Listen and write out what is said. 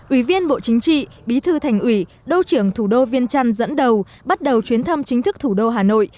ủy viên bộ chính trị bí thư thành ủy đô trưởng thủ đô viên trăn dẫn đầu bắt đầu chuyến thăm chính thức thủ đô hà nội